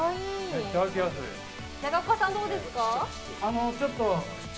中岡さん、どうですか？